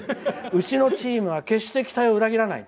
うちのチームは期待を裏切らない。